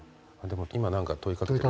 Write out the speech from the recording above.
今なんか問いかけてる。